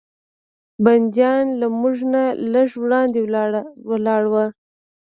بندیان له موږ نه لږ وړاندې ولاړ و.